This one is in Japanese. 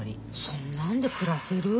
そんなんで暮らせる？